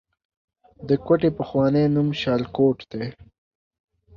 د کوټې پخوانی نوم شالکوټ دی